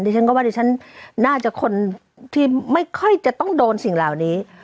ฉันก็ว่าดิฉันน่าจะคนที่ไม่ค่อยจะต้องโดนสิ่งเหล่านี้